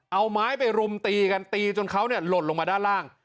เอาไม้ไปรุมตีกันตีจนเขาหล่นลงมาด้านล่าง